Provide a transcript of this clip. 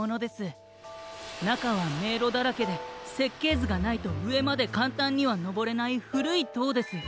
なかはめいろだらけでせっけいずがないとうえまでかんたんにはのぼれないふるいとうです。